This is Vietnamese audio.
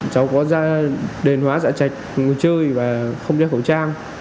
cháu có ra đền hóa dạ chạch ngồi chơi và không đeo khẩu trang